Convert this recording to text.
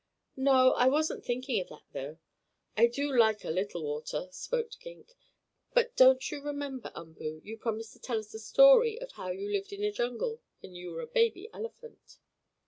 "No, I wasn't thinking of that, though I do like a little water," spoke Gink. "But don't you remember, Umboo, you promised to tell us a story of how you lived in a jungle when you were a baby elephant?"